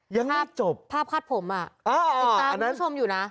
ยังไม่จบภาพภาพภาดผมอ่ะอ๋ออ๋ออันนั้นติดตาผู้ชมอยู่น่ะ